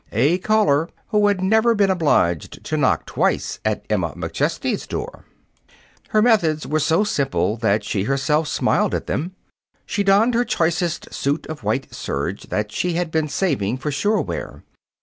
A caller who had never been obliged to knock twice at Emma McChesney's door. Her methods were so simple that she herself smiled at them. She donned her choicest suit of white serge that she had been saving for shore wear.